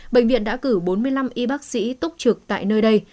bệnh viện đã cử bốn mươi năm y bác sĩ túc trực tại nơi đây